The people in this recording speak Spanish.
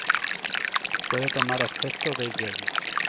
Puede tomar aspecto de yegua.